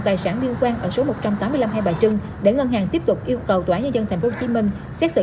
tài sản liên quan ở số một trăm tám mươi năm hai bà trưng để ngân hàng tiếp tục yêu cầu tòa án nhân dân tp hcm xét xử